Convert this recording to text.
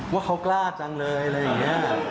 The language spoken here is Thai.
ว่าเขากล้าจังเลยอะไรอย่างนี้